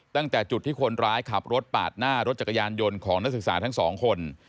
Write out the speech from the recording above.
ตั้งแต่จุดที่คนร้ายขับรถปาดหน้ารถจักรยานยนต์ของนักศึกษาทั้งสองคน